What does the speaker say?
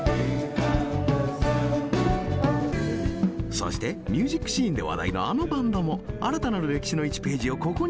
そしてミュージックシーンで話題のあのバンドも新たなる歴史の１ページをここに刻む。